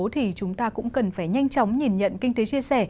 thì chúng ta cũng cần phải nhanh chóng nhìn nhận kinh tế chia sẻ